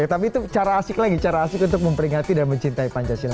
tapi itu cara asik lagi cara asik untuk memperingati dan mencintai pancasila